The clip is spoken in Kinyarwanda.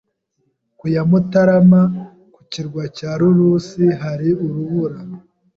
Ku ya Mutarama . Ku kirwa cya Lulus hari urubura.